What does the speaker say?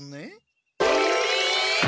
え！？